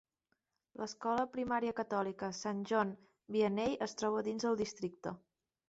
L'escola primària catòlica Saint John Vianney es troba dins del districte.